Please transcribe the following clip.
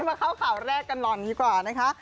มาเข้าข่าวแรกกันร้อนดีกว่า